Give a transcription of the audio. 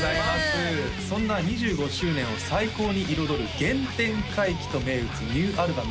そんな２５周年を最高に彩る原点回帰と銘打つニューアルバム